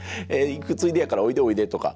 「行くついでやからおいでおいで」とか。